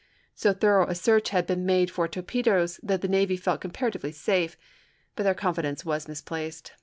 So thorough a search had been made for torpedoes that the navy felt comparatively safe; but their confidence was misplaced.